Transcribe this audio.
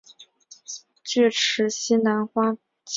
巨齿西南花楸为蔷薇科花楸属下的一个变种。